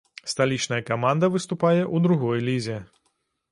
Сталічная каманда выступае ў другой лізе.